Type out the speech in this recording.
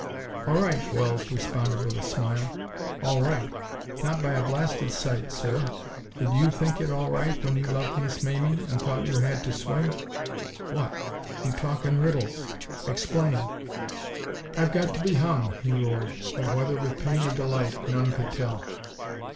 "All right!" Wells responded, with a smile. "All right! Not by a blasted sight, sir! Did you think it all right when you loved Miss Mamie, and thought you had to swing?" "What! You talk in riddles. Explain." "I've got to be hung!" he roared, but, whether with pain or delight, none could tell.